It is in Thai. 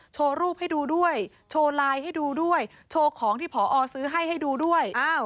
โชว์รูปให้ดูด้วยโชว์ไลน์ให้ดูด้วยโชว์ของที่ผอซื้อให้ให้ดูด้วย